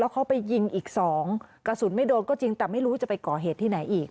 เขาไปยิงอีกสองกระสุนไม่โดนก็จริงแต่ไม่รู้จะไปก่อเหตุที่ไหนอีก